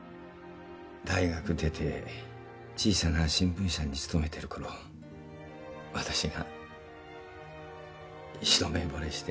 大学出て小さな新聞社に勤めてるころわたしが一目ぼれして。